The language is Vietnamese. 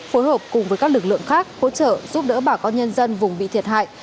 phối hợp cùng với các lực lượng khác hỗ trợ giúp đỡ bà con nhân dân vùng bị thiệt hại